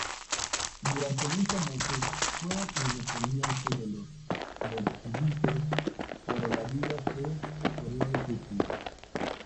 Durante veinte meses fue independiente de los bolcheviques, pero la vida se tornó difícil.